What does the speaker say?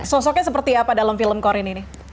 sosoknya seperti apa dalam film corin ini